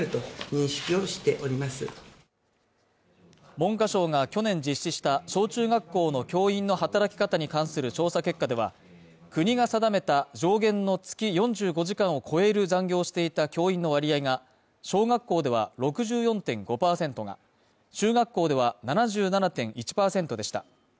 文科省が去年実施した小・中学校の教員の働き方に関する調査結果では、国が定めた上限の月４５時間を超える残業をしていた教員の割合が小学校では６４．５％が中学校では７７．１％でした。